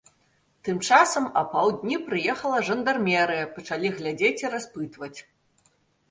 Тым часам апаўдні прыехала жандармерыя, пачалі глядзець і распытваць.